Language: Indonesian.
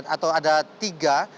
atau ada tiga